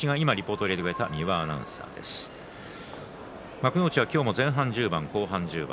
幕内は今日も前半１０番後半１０番。